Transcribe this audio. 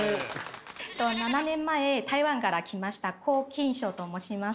７年前台湾から来ましたコウ・キンショウと申します。